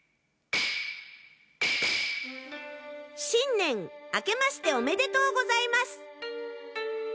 新年あけましておめでとうございます。